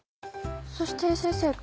そして先生